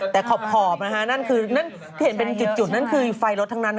แต่ขอบนะฮะนั่นคือนั่นเห็นเป็นจิตจุดนั่นคือไฟรถทั้งนั้นค่ะ